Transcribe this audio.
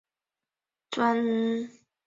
毕业于广西自治区党委党校党政管理专业。